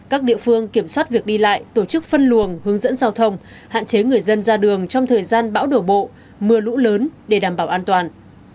các địa phương kiểm soát việc đi lại tổ chức phân luồng hướng dẫn giao thông hạn chế người dân ra đường trong thời gian bão đổ bộ mưa lũ lớn để đảm bảo an toàn